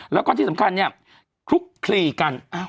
แล้วก็ที่สำคัญเนี่ยคลุกคลีกัน